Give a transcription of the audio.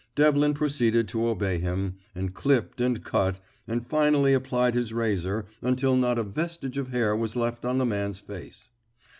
Devlin proceeded to obey him, and clipped and cut, and finally applied his razor until not a vestige of hair was left on the man's face.